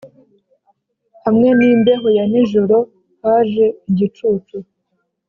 hamwe n'imbeho ya nijoro haje igicucu,